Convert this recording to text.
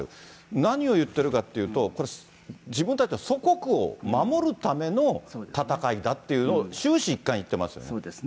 何を言ってるかっていうと、自分たちの祖国を守るための戦いだっていうのを、終始一貫言ってそうですね。